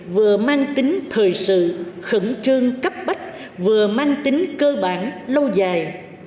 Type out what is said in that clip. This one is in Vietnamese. vừa mang tính thời sự khẩn trương cấp bách vừa mang tính cơ bản lâu dài